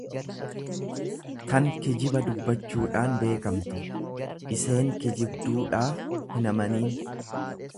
tan kijiba dubbachuudhaan beekamtu; Iseen kijibduudhaa hinamaniin.